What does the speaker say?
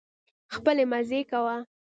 خپلې مزې کوه